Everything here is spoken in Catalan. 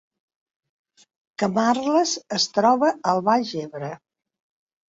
Camarles es troba al Baix Ebre